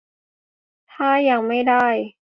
ถ้ายังไม่ได้